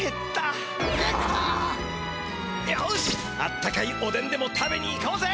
あったかいおでんでも食べに行こうぜ！